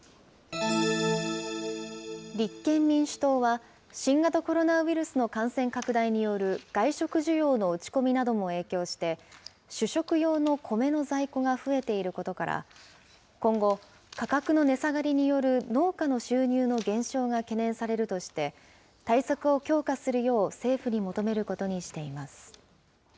立憲民主党は、新型コロナウイルスの感染拡大による外食需要の落ち込みなども影響して、主食用のコメの在庫が増えていることから、今後、価格の値下がりによる農家の収入の減少が懸念されるとして、対策を強化するよう政府に求めることにしています。